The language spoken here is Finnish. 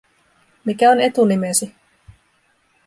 Mikä on etunimesi?